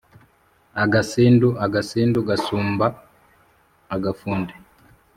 agasindu, agasindu gasumba agafundi